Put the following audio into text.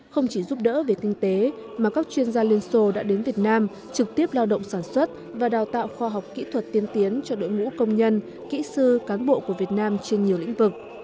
không chỉ giúp đỡ về kinh tế mà các chuyên gia liên xô đã đến việt nam trực tiếp lao động sản xuất và đào tạo khoa học kỹ thuật tiên tiến cho đội ngũ công nhân kỹ sư cán bộ của việt nam trên nhiều lĩnh vực